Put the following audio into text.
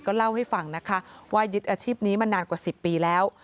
เล่าให้ฟังนะคะว่ายึดอาชีพนี้มานานกว่า๑๐ปีแล้ว